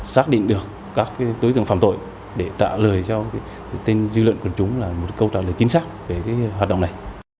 xác định được các tối tượng phạm tội để trả lời cho tên dư luận của chúng là một câu trả lời chính xác về cái hoạt động này